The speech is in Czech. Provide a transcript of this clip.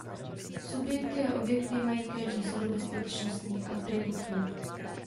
Subjekty a objekty mají každý sadu bezpečnostních atributů.